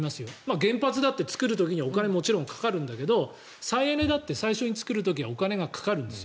原発だって作る時にはお金はもちろんかかるんだけど再エネだって最初に作る時はお金がかかるんですよ。